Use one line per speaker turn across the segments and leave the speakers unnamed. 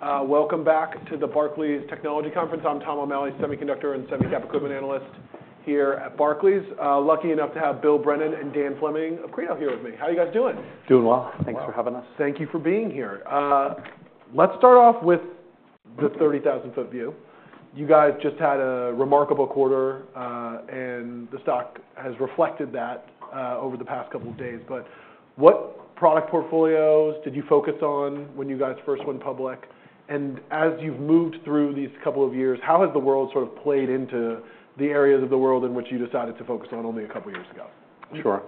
All right. Welcome back to the Barclays Technology Conference. I'm Tom O'Malley, semiconductor and semicap equipment analyst here at Barclays. Lucky enough to have Bill Brennan and Dan Fleming of Credo here with me. How are you guys doing?
Doing well. Thanks for having us.
Thank you for being here. Let's start off with the 30,000-foot view. You guys just had a remarkable quarter, and the stock has reflected that over the past couple of days. But what product portfolios did you focus on when you guys first went public? And as you've moved through these couple of years, how has the world sort of played into the areas of the world in which you decided to focus on only a couple of years ago?
Sure.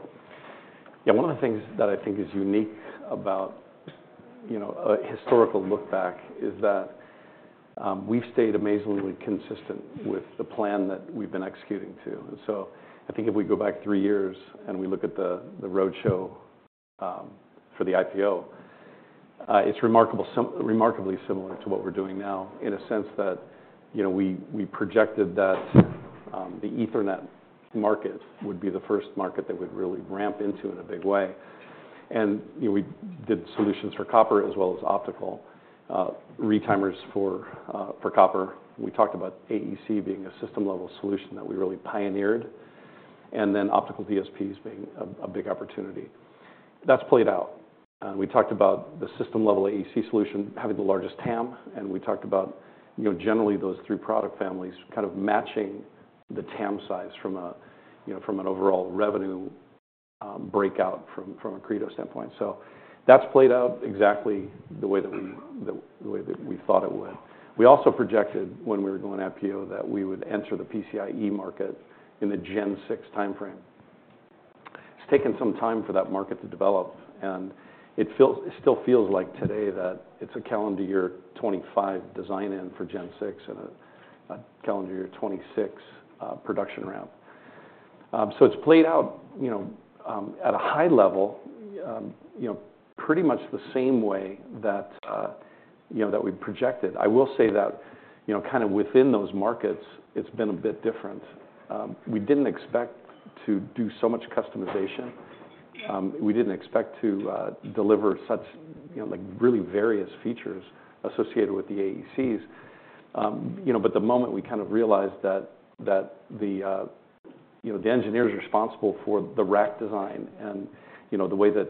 Yeah, one of the things that I think is unique about a historical look back is that we've stayed amazingly consistent with the plan that we've been executing to. And so I think if we go back three years and we look at the roadshow for the IPO, it's remarkably similar to what we're doing now in a sense that we projected that the Ethernet market would be the first market that would really ramp into in a big way. And we did solutions for copper as well as optical retimers for copper. We talked about AEC being a system-level solution that we really pioneered, and then optical DSPs being a big opportunity. That's played out. We talked about the system-level AEC solution having the largest TAM, and we talked about generally those three product families kind of matching the TAM size from an overall revenue breakout from a Credo standpoint. So that's played out exactly the way that we thought it would. We also projected when we were going IPO that we would enter the PCIe market in the Gen 6 timeframe. It's taken some time for that market to develop, and it still feels like today that it's a calendar year 2025 design in for Gen 6 and a calendar year 2026 production ramp. So it's played out at a high level, pretty much the same way that we projected. I will say that kind of within those markets, it's been a bit different. We didn't expect to do so much customization. We didn't expect to deliver such really various features associated with the AECs, but the moment we kind of realized that the engineers responsible for the rack design and the way that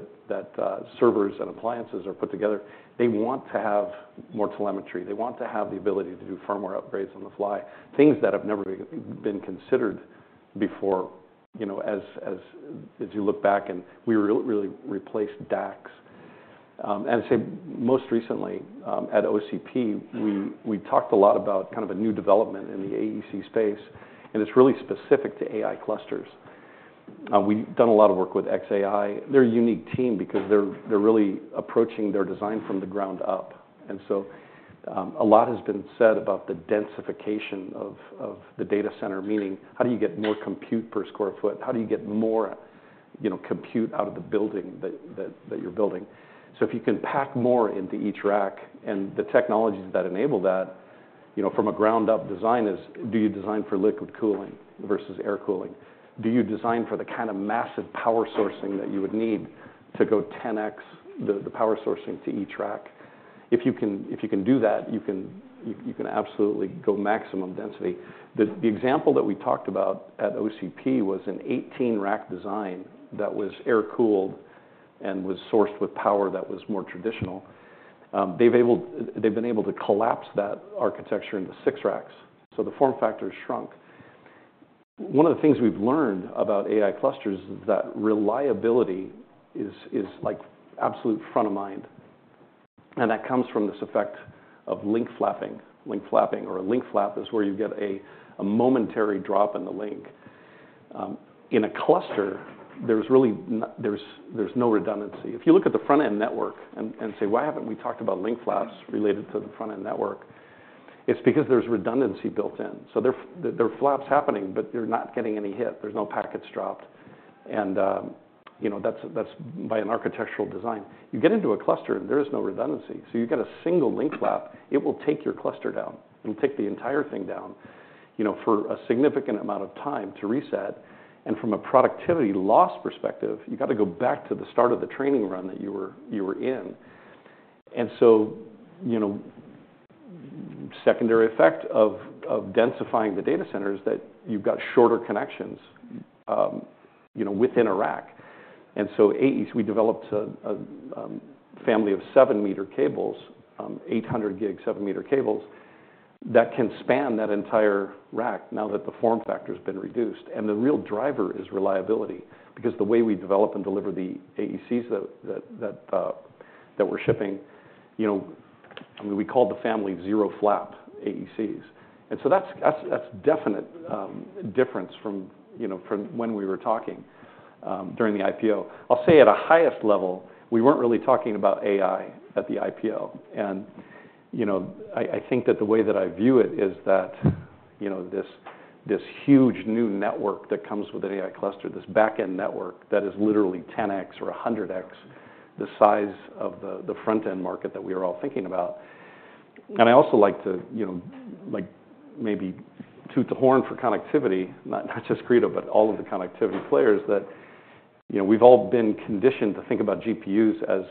servers and appliances are put together, they want to have more telemetry. They want to have the ability to do firmware upgrades on the fly, things that have never been considered before. As you look back, we really replaced DACs. And I'd say most recently at OCP, we talked a lot about kind of a new development in the AEC space, and it's really specific to AI clusters. We've done a lot of work with xAI. They're a unique team because they're really approaching their design from the ground up, and so a lot has been said about the densification of the data center, meaning how do you get more compute per square foot? How do you get more compute out of the building that you're building? So if you can pack more into each rack and the technologies that enable that from a ground-up design is, do you design for liquid cooling versus air cooling? Do you design for the kind of massive power sourcing that you would need to go 10x the power sourcing to each rack? If you can do that, you can absolutely go maximum density. The example that we talked about at OCP was an 18-rack design that was air-cooled and was sourced with power that was more traditional. They've been able to collapse that architecture into six racks, so the form factor has shrunk. One of the things we've learned about AI clusters is that reliability is absolute front of mind, and that comes from this effect of link flapping. Link flapping or a link flap is where you get a momentary drop in the link. In a cluster, there's no redundancy. If you look at the front-end network and say, "Why haven't we talked about link flaps related to the front-end network?" It's because there's redundancy built in. So there are flaps happening, but they're not getting any hit. There's no packets dropped, and that's by an architectural design. You get into a cluster and there is no redundancy. So you get a single link flap, it will take your cluster down. It'll take the entire thing down for a significant amount of time to reset. And from a productivity loss perspective, you got to go back to the start of the training run that you were in. And so the secondary effect of densifying the data center is that you've got shorter connections within a rack. And so AEC, we developed a family of seven-meter cables, 800 gig seven-meter cables that can span that entire rack now that the form factor has been reduced. And the real driver is reliability because the way we develop and deliver the AECs that we're shipping, we call the family Zero-Flap AECs. And so that's a definite difference from when we were talking during the IPO. I'll say at a highest level, we weren't really talking about AI at the IPO. And I think that the way that I view it is that this huge new network that comes with an AI cluster, this back-end network that is literally 10x or 100x the size of the front-end market that we are all thinking about. And I also like to maybe toot the horn for connectivity, not just Credo, but all of the connectivity players that we've all been conditioned to think about GPUs, as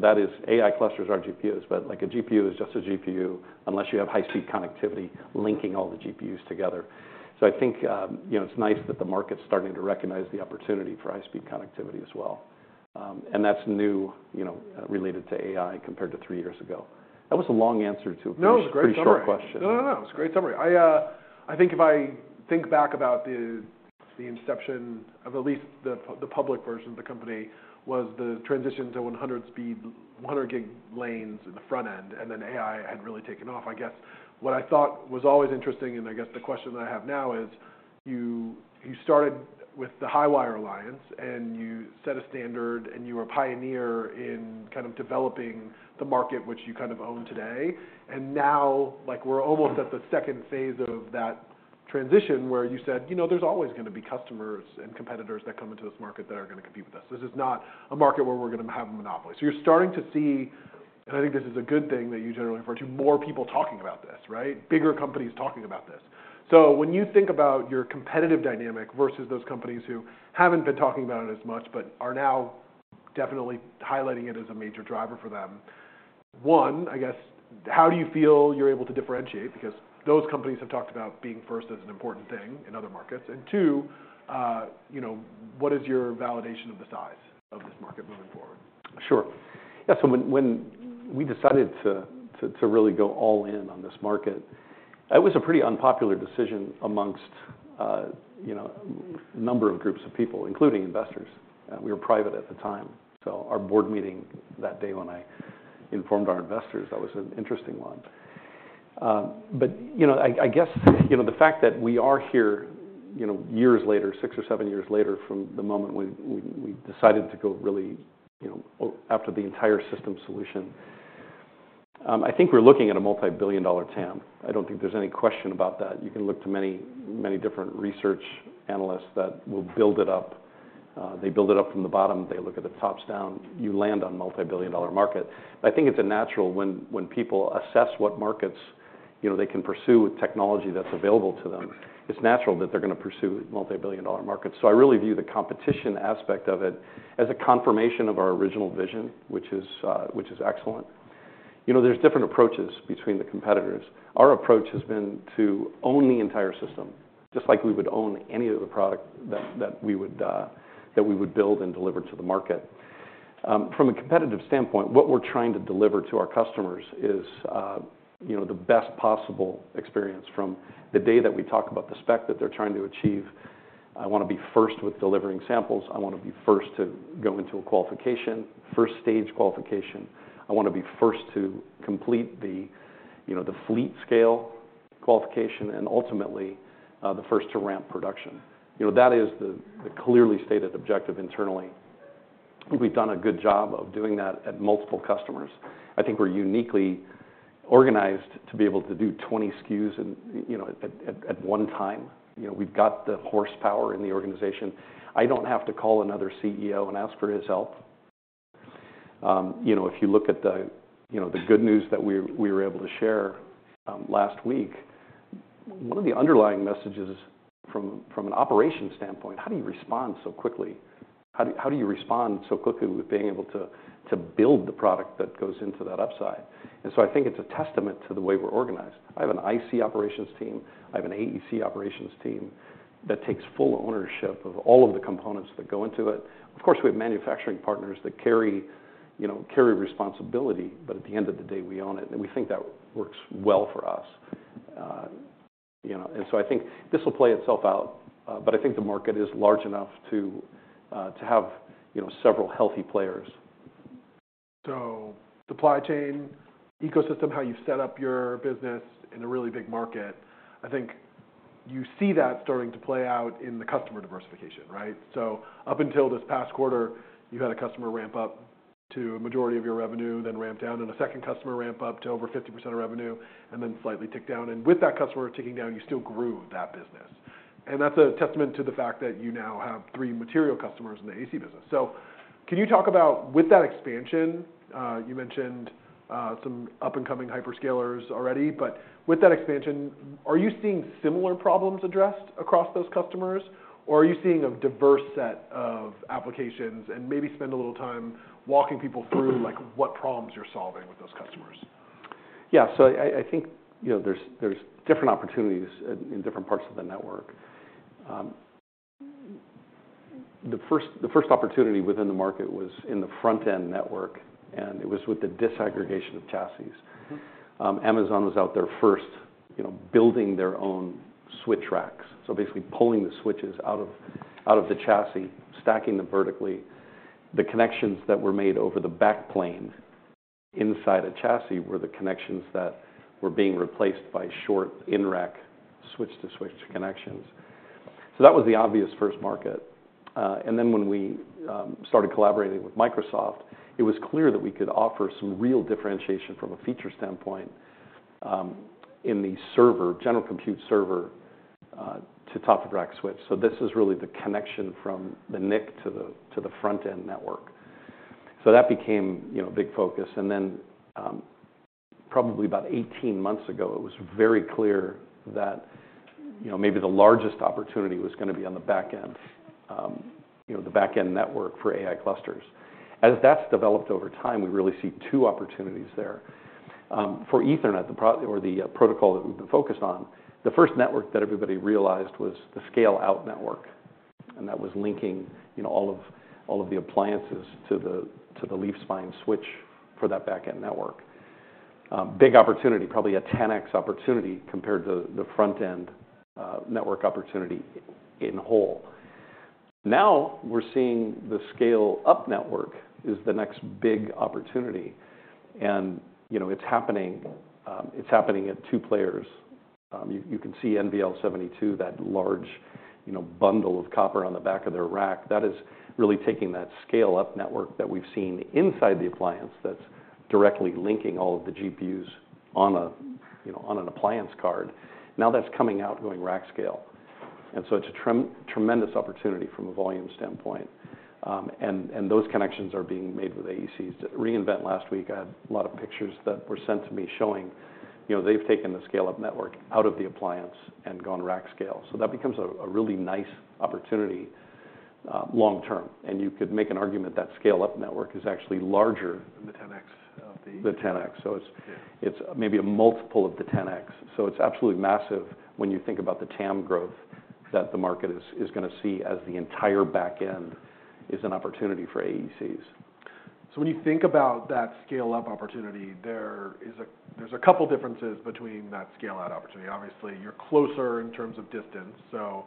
that is, AI clusters are GPUs, but a GPU is just a GPU unless you have high-speed connectivity linking all the GPUs together. So I think it's nice that the market's starting to recognize the opportunity for high-speed connectivity as well. And that's new related to AI compared to three years ago. That was a long answer to a pretty short question.
No, no, no. It was a great summary. I think if I think back about the inception of at least the public version of the company was the transition to 100 gig lanes in the front end, and then AI had really taken off. I guess what I thought was always interesting, and I guess the question that I have now is you started with the HiWire Alliance, and you set a standard, and you were a pioneer in kind of developing the market which you kind of own today, and now we're almost at the second phase of that transition where you said, "There's always going to be customers and competitors that come into this market that are going to compete with us. This is not a market where we're going to have a monopoly," so you're starting to see, and I think this is a good thing that you generally refer to, more people talking about this, right? Bigger companies talking about this. So when you think about your competitive dynamic versus those companies who haven't been talking about it as much but are now definitely highlighting it as a major driver for them, one, I guess, how do you feel you're able to differentiate? Because those companies have talked about being first as an important thing in other markets, and two, what is your validation of the size of this market moving forward?
Sure. Yeah. So when we decided to really go all in on this market, it was a pretty unpopular decision among a number of groups of people, including investors. We were private at the time. So our board meeting that day when I informed our investors, that was an interesting one. But I guess the fact that we are here years later, six or seven years later from the moment we decided to go really after the entire system solution, I think we're looking at a multi-billion dollar TAM. I don't think there's any question about that. You can look to many different research analysts that will build it up. They build it up from the bottom. They look at the top down. You land on a multi-billion dollar market. I think it's natural when people assess what markets they can pursue with technology that's available to them. It's natural that they're going to pursue multi-billion-dollar markets. So I really view the competition aspect of it as a confirmation of our original vision, which is excellent. There's different approaches between the competitors. Our approach has been to own the entire system, just like we would own any other product that we would build and deliver to the market. From a competitive standpoint, what we're trying to deliver to our customers is the best possible experience from the day that we talk about the spec that they're trying to achieve. I want to be first with delivering samples. I want to be first to go into a qualification, first-stage qualification. I want to be first to complete the fleet-scale qualification and ultimately the first to ramp production. That is the clearly stated objective internally. We've done a good job of doing that at multiple customers. I think we're uniquely organized to be able to do 20 SKUs at one time. We've got the horsepower in the organization. I don't have to call another CEO and ask for his help. If you look at the good news that we were able to share last week, one of the underlying messages from an operations standpoint, how do you respond so quickly? How do you respond so quickly with being able to build the product that goes into that upside? And so I think it's a testament to the way we're organized. I have an IC operations team. I have an AEC operations team that takes full ownership of all of the components that go into it. Of course, we have manufacturing partners that carry responsibility, but at the end of the day, we own it, and we think that works well for us, and so I think this will play itself out, but I think the market is large enough to have several healthy players.
So supply chain ecosystem, how you've set up your business in a really big market, I think you see that starting to play out in the customer diversification, right? So up until this past quarter, you had a customer ramp up to a majority of your revenue, then ramp down, and a second customer ramp up to over 50% of revenue, and then slightly tick down. And with that customer ticking down, you still grew that business. And that's a testament to the fact that you now have three material customers in the AEC business. So can you talk about with that expansion? You mentioned some up-and-coming hyperscalers already, but with that expansion, are you seeing similar problems addressed across those customers, or are you seeing a diverse set of applications and maybe spend a little time walking people through what problems you're solving with those customers?
Yeah. So I think there's different opportunities in different parts of the network. The first opportunity within the market was in the front-end network, and it was with the disaggregation of chassis. Amazon was out there first building their own switch racks, so basically pulling the switches out of the chassis, stacking them vertically. The connections that were made over the backplane inside a chassis were the connections that were being replaced by short in-rack switch-to-switch connections. So that was the obvious first market. And then when we started collaborating with Microsoft, it was clear that we could offer some real differentiation from a feature standpoint in the server, general compute server to top-of-rack switch. So this is really the connection from the NIC to the front-end network. So that became a big focus. And then probably about 18 months ago, it was very clear that maybe the largest opportunity was going to be on the back-end, the back-end network for AI clusters. As that's developed over time, we really see two opportunities there. For Ethernet, or the protocol that we've been focused on, the first network that everybody realized was the scale-out network, and that was linking all of the appliances to the leaf-spine switch for that back-end network. Big opportunity, probably a 10x opportunity compared to the front-end network opportunity in whole. Now we're seeing the scale-up network is the next big opportunity, and it's happening at two players. You can see NVL72, that large bundle of copper on the back of their rack. That is really taking that scale-up network that we've seen inside the appliance that's directly linking all of the GPUs on an appliance card. Now that's coming out, going rack scale. And so it's a tremendous opportunity from a volume standpoint. And those connections are being made with AECs. At re:Invent last week, I had a lot of pictures that were sent to me showing they've taken the scale-up network out of the appliance and gone rack scale. So that becomes a really nice opportunity long-term. And you could make an argument that scale-up network is actually larger than the 10x. The 10x. So it's maybe a multiple of the 10x. So it's absolutely massive when you think about the TAM growth that the market is going to see as the entire backend is an opportunity for AECs.
So when you think about that scale-up opportunity, there's a couple of differences between that scale-out opportunity. Obviously, you're closer in terms of distance. So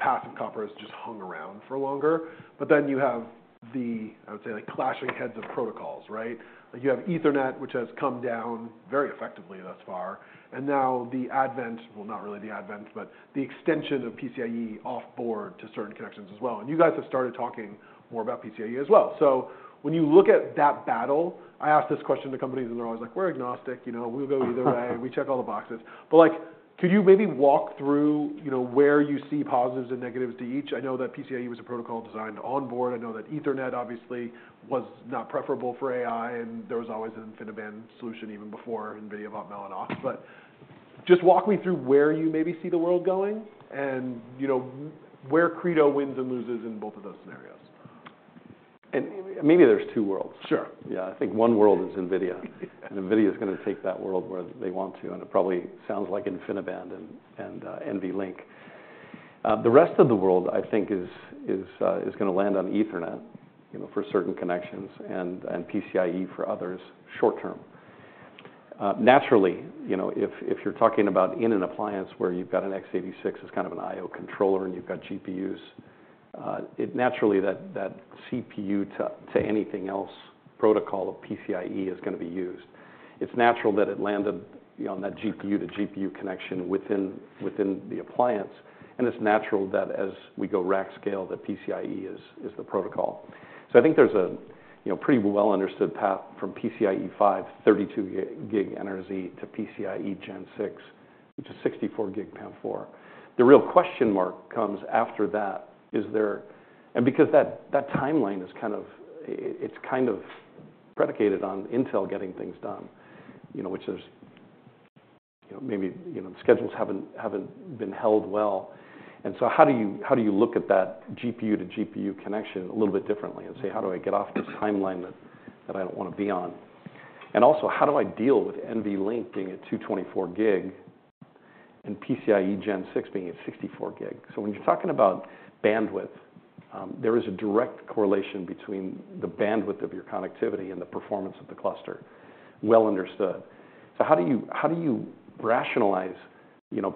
passive copper has just hung around for longer. But then you have the, I would say, clashing heads of protocols, right? You have Ethernet, which has come down very effectively thus far. And now the advent, well, not really the advent, but the extension of PCIe offboard to certain connections as well. And you guys have started talking more about PCIe as well. So when you look at that battle, I ask this question to companies, and they're always like, "We're agnostic. We'll go either way. We check all the boxes." But could you maybe walk through where you see positives and negatives to each? I know that PCIe was a protocol designed onboard. I know that Ethernet, obviously, was not preferable for AI, and there was always an InfiniBand solution even before NVIDIA bought Mellanox. But just walk me through where you maybe see the world going and where Credo wins and loses in both of those scenarios.
Maybe there's two worlds.
Sure.
Yeah. I think one world is NVIDIA, and NVIDIA is going to take that world where they want to, and it probably sounds like InfiniBand and NVLink. The rest of the world, I think, is going to land on Ethernet for certain connections and PCIe for others short-term. Naturally, if you're talking about in an appliance where you've got an x86 as kind of an I/O controller and you've got GPUs, naturally that CPU-to-anything-else protocol of PCIe is going to be used. It's natural that it landed on that GPU-to-GPU connection within the appliance, and it's natural that as we go rack scale, that PCIe is the protocol. So I think there's a pretty well-understood path from PCIe 5, 32 gig NRZ to PCIe Gen 6, which is 64 gig PAM4. The real question mark comes after that. And because that timeline is kind of predicated on Intel getting things done, which is maybe schedules haven't been held well. And so how do you look at that GPU-to-GPU connection a little bit differently and say, "How do I get off this timeline that I don't want to be on?" And also, how do I deal with NVLink being at 224 gig and PCIe Gen 6 being at 64 gig? So when you're talking about bandwidth, there is a direct correlation between the bandwidth of your connectivity and the performance of the cluster, well understood. So how do you rationalize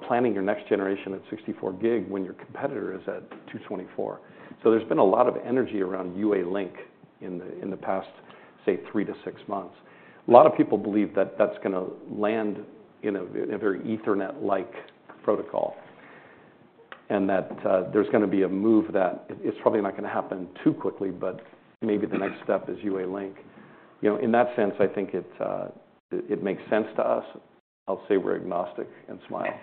planning your next generation at 64 gig when your competitor is at 224? So there's been a lot of energy around UALink in the past, say, three to six months. A lot of people believe that that's going to land in a very Ethernet-like protocol and that there's going to be a move that is probably not going to happen too quickly, but maybe the next step is UALink. In that sense, I think it makes sense to us. I'll say we're agnostic and smile.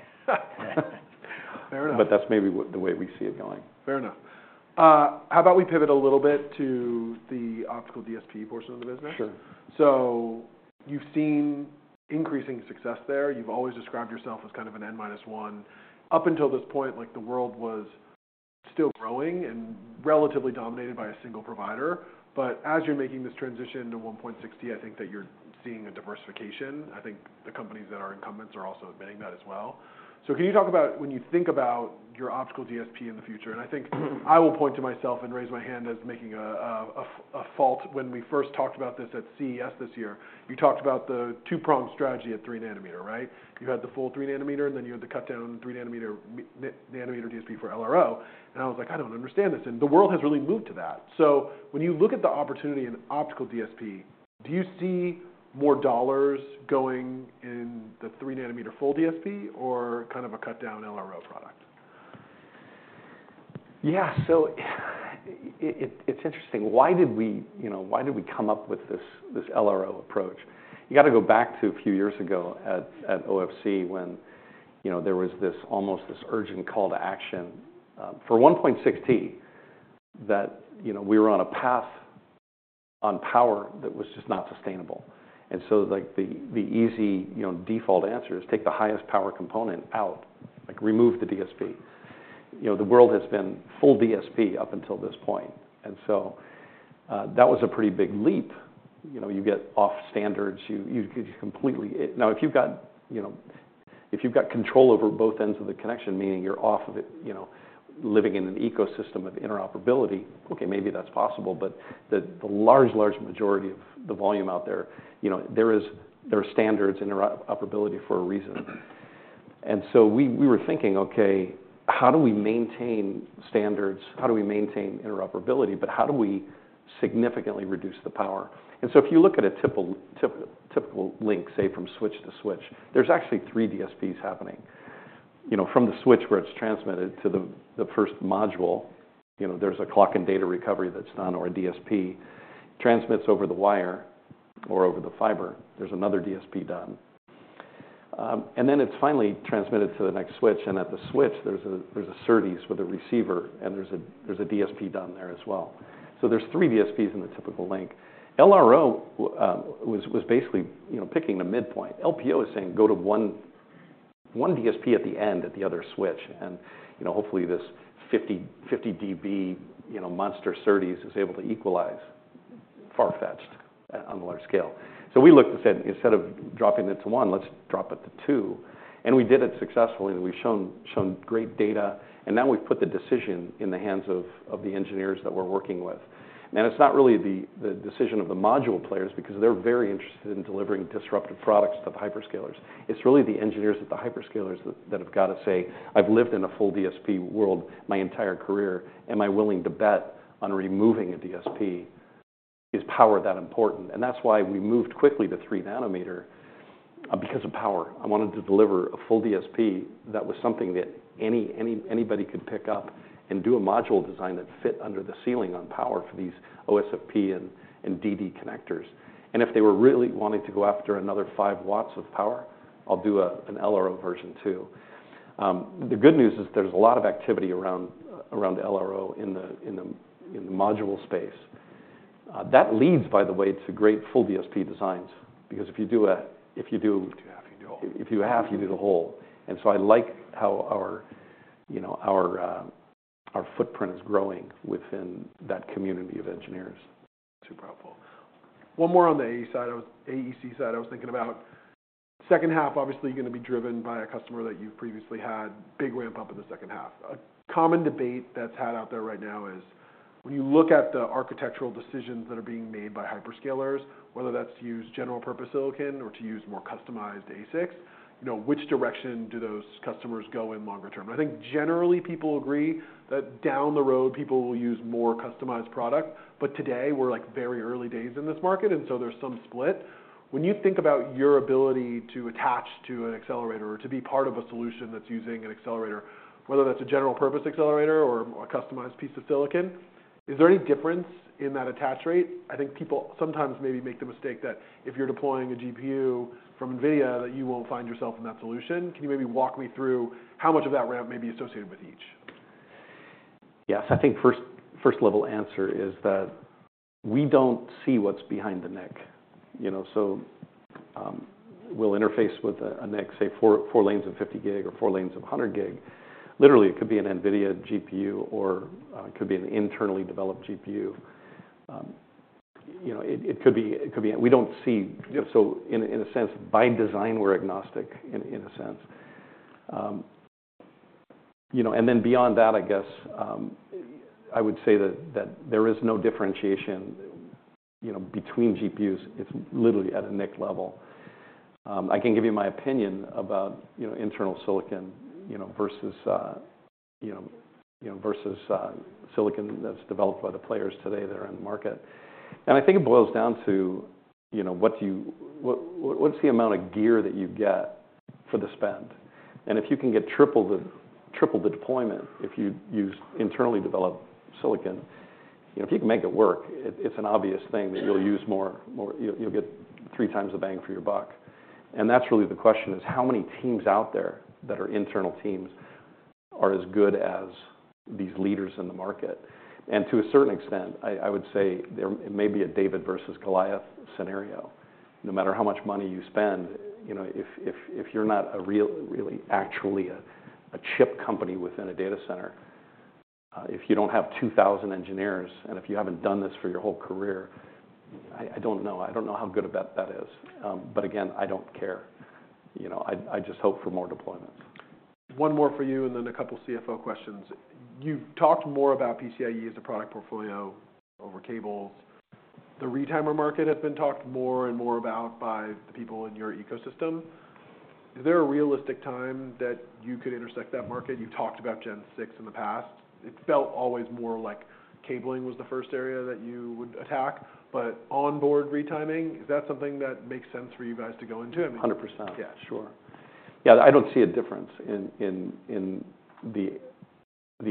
Fair enough.
But that's maybe the way we see it going.
Fair enough. How about we pivot a little bit to the optical DSP portion of the business?
Sure.
You've seen increasing success there. You've always described yourself as kind of an N minus one. Up until this point, the world was still growing and relatively dominated by a single provider. But as you're making this transition to 1.6T, I think that you're seeing a diversification. I think the companies that are incumbents are also admitting that as well. So can you talk about when you think about your optical DSP in the future? And I think I will point to myself and raise my hand as making a faux pas. When we first talked about this at CES this year, you talked about the two-pronged strategy at three nanometer, right? You had the full three nanometer, and then you had the cut-down three nanometer DSP for LRO. And I was like, "I don't understand this." And the world has really moved to that. So when you look at the opportunity in optical DSP, do you see more dollars going in the three nanometer full DSP or kind of a cut-down LRO product?
Yeah. So it's interesting. Why did we come up with this LRO approach? You got to go back to a few years ago at OFC when there was almost this urgent call to action for 1.6T that we were on a path on power that was just not sustainable. And so the easy default answer is take the highest power component out, remove the DSP. The world has been full DSP up until this point. And so that was a pretty big leap. You get off standards. Now, if you've got control over both ends of the connection, meaning you're off of it living in an ecosystem of interoperability, okay, maybe that's possible, but the large, large majority of the volume out there, there are standards in interoperability for a reason. And so we were thinking, "Okay, how do we maintain standards? How do we maintain interoperability? But how do we significantly reduce the power?" And so if you look at a typical link, say, from switch to switch, there's actually three DSPs happening. From the switch where it's transmitted to the first module, there's a clock and data recovery that's done, or a DSP transmits over the wire or over the fiber. There's another DSP done. And then it's finally transmitted to the next switch, and at the switch, there's a SerDes with a receiver, and there's a DSP done there as well. So there's three DSPs in the typical link. LRO was basically picking a midpoint. LPO is saying, "Go to one DSP at the end at the other switch." And hopefully, this 50 dB monster SerDes is able to equalize for reach on the large scale. So we looked and said, "Instead of dropping it to one, let's drop it to two." And we did it successfully, and we've shown great data. And now we've put the decision in the hands of the engineers that we're working with. And it's not really the decision of the module players because they're very interested in delivering disruptive products to the hyperscalers. It's really the engineers at the hyperscalers that have got to say, "I've lived in a full DSP world my entire career. Am I willing to bet on removing a DSP? Is power that important?" And that's why we moved quickly to three nanometer because of power. I wanted to deliver a full DSP that was something that anybody could pick up and do a module design that fit under the ceiling on power for these OSFP and DD connectors. And if they were really wanting to go after another five watts of power, I'll do an LRO version too. The good news is there's a lot of activity around LRO in the module space. That leads, by the way, to great full DSP designs because if you do a, if you do half, you do a whole. If you do half, you do the whole. And so I like how our footprint is growing within that community of engineers. I'm super helpful.
One more on the AEC side, I was thinking about second half, obviously going to be driven by a customer that you've previously had, big ramp-up in the second half. A common debate that's had out there right now is when you look at the architectural decisions that are being made by hyperscalers, whether that's to use general-purpose silicon or to use more customized ASICs, which direction do those customers go in longer term? I think generally people agree that down the road, people will use more customized product, but today we're very early days in this market, and so there's some split. When you think about your ability to attach to an accelerator or to be part of a solution that's using an accelerator, whether that's a general-purpose accelerator or a customized piece of silicon, is there any difference in that attach rate? I think people sometimes maybe make the mistake that if you're deploying a GPU from NVIDIA, that you won't find yourself in that solution. Can you maybe walk me through how much of that ramp may be associated with each?
Yes. I think first-level answer is that we don't see what's behind the NIC. So we'll interface with a NIC, say, four lanes of 50 gig or four lanes of 100 gig. Literally, it could be an NVIDIA GPU or it could be an internally developed GPU. It could be—we don't see. So in a sense, by design, we're agnostic in a sense. And then beyond that, I guess I would say that there is no differentiation between GPUs. It's literally at a NIC level. I can give you my opinion about internal silicon versus silicon that's developed by the players today that are in the market. And I think it boils down to what's the amount of gear that you get for the spend. If you can get triple the deployment if you use internally developed silicon, if you can make it work, it's an obvious thing that you'll use more, you'll get three times the bang for your buck. That's really the question: how many teams out there that are internal teams are as good as these leaders in the market? To a certain extent, I would say it may be a David versus Goliath scenario. No matter how much money you spend, if you're not really actually a chip company within a data center, if you don't have 2,000 engineers, and if you haven't done this for your whole career, I don't know. I don't know how good a bet that is. Again, I don't care. I just hope for more deployments.
One more for you and then a couple of CFO questions. You've talked more about PCIe as a product portfolio over cables. The retimer market has been talked more and more about by the people in your ecosystem. Is there a realistic time that you could intersect that market? You've talked about Gen 6 in the past. It felt always more like cabling was the first area that you would attack. But onboard retiming, is that something that makes sense for you guys to go into?
100%.
Yeah.
Sure. Yeah. I don't see a difference in the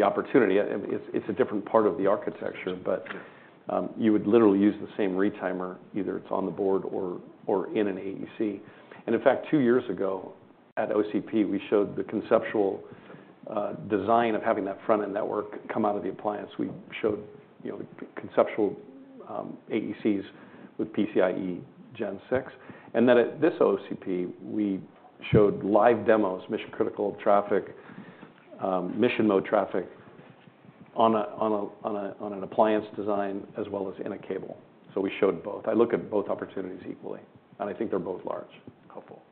opportunity. It's a different part of the architecture, but you would literally use the same retimer, either it's on the board or in an AEC. And in fact, two years ago at OCP, we showed the conceptual design of having that front-end network come out of the appliance. We showed conceptual AECs with PCIe Gen 6. And then at this OCP, we showed live demos, mission-critical traffic, mission-mode traffic on an appliance design as well as in a cable. So we showed both. I look at both opportunities equally, and I think they're both large.
Helpful.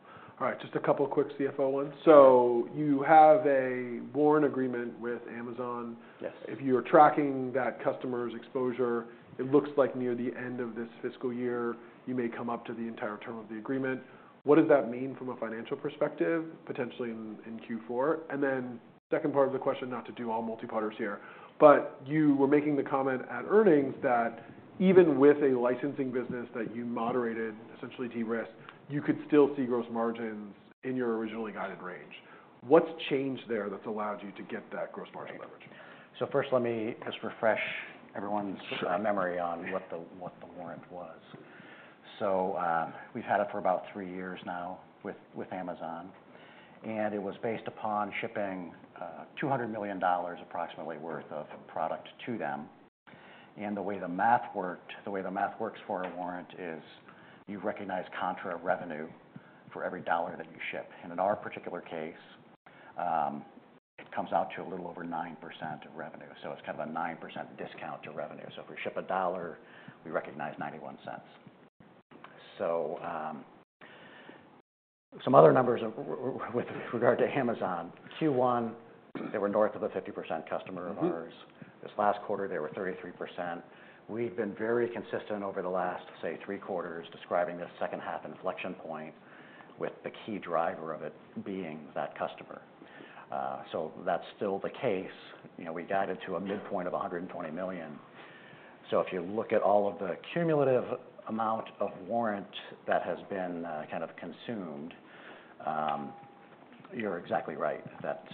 All right. Just a couple of quick CFO ones. So you have a warrant agreement with Amazon.
Yes.
If you're tracking that customer's exposure, it looks like near the end of this fiscal year, you may come up to the entire term of the agreement. What does that mean from a financial perspective, potentially in Q4? And then second part of the question, not to do a multi-part answer here, but you were making the comment at earnings that even with a licensing business that you moderated, essentially de-risked, you could still see gross margins in your originally guided range. What's changed there that's allowed you to get that gross margin leverage?
So first, let me just refresh everyone's memory on what the warrant was. So we've had it for about three years now with Amazon, and it was based upon shipping $200 million approximately worth of product to them. And the way the math worked, the way the math works for a warrant is you recognize contra revenue for every dollar that you ship. And in our particular case, it comes out to a little over 9% of revenue. So it's kind of a 9% discount to revenue. So if we ship a dollar, we recognize 91 cents. So some other numbers with regard to Amazon. Q1, they were north of a 50% customer of ours. This last quarter, they were 33%. We've been very consistent over the last, say, three quarters describing the second half inflection point with the key driver of it being that customer. So that's still the case. We guided to a midpoint of $120 million. So if you look at all of the cumulative amount of warrant that has been kind of consumed, you're exactly right that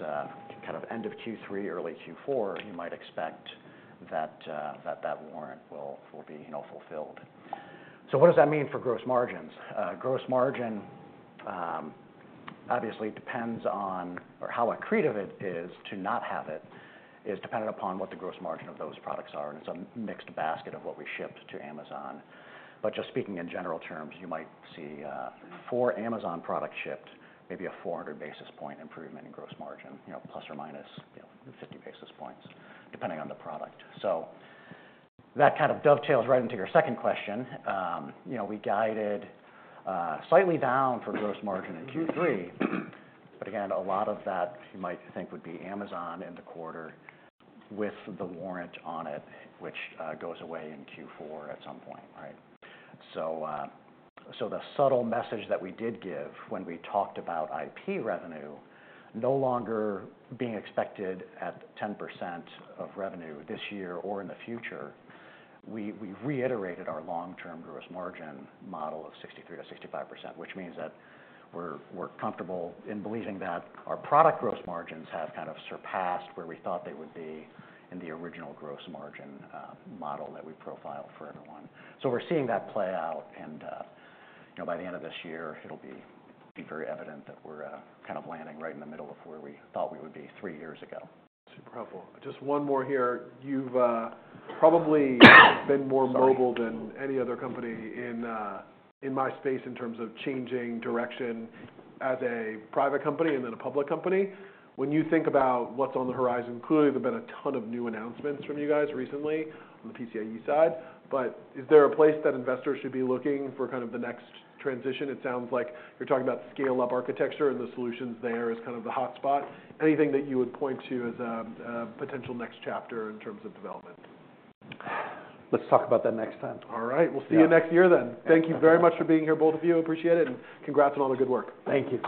kind of end of Q3, early Q4, you might expect that that warrant will be fulfilled. So what does that mean for gross margins? Gross margin obviously depends on how accretive it is to not have it is dependent upon what the gross margin of those products are. And it's a mixed basket of what we shipped to Amazon. But just speaking in general terms, you might see for Amazon product shipped, maybe a 400 basis point improvement in gross margin, plus or minus 50 basis points, depending on the product. So that kind of dovetails right into your second question. We guided slightly down for gross margin in Q3, but again, a lot of that you might think would be Amazon in the quarter with the warrant on it, which goes away in Q4 at some point, right? So the subtle message that we did give when we talked about IP revenue no longer being expected at 10% of revenue this year or in the future, we reiterated our long-term gross margin model of 63%-65%, which means that we're comfortable in believing that our product gross margins have kind of surpassed where we thought they would be in the original gross margin model that we profiled for everyone. So we're seeing that play out, and by the end of this year, it'll be very evident that we're kind of landing right in the middle of where we thought we would be three years ago.
Super helpful. Just one more here. You've probably been more mobile than any other company in my space in terms of changing direction as a private company and then a public company. When you think about what's on the horizon, clearly there have been a ton of new announcements from you guys recently on the PCIe side, but is there a place that investors should be looking for kind of the next transition? It sounds like you're talking about scale-up architecture, and the solutions there is kind of the hotspot. Anything that you would point to as a potential next chapter in terms of development?
Let's talk about that next time.
All right. We'll see you next year then. Thank you very much for being here, both of you. Appreciate it, and congrats on all the good work.
Thank you.